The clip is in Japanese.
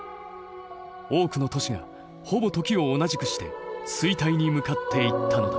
多くの都市がほぼ時を同じくして衰退に向かっていったのだ。